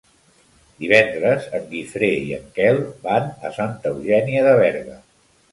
Divendres en Guifré i en Quel van a Santa Eugènia de Berga.